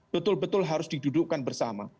betul betul harus didudukkan bersama